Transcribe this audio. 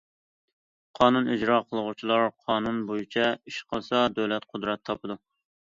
« قانۇن ئىجرا قىلغۇچىلار قانۇن بويىچە ئىش قىلسا دۆلەت قۇدرەت تاپىدۇ».